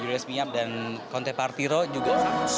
yurius miap dan konte partiro juga sangat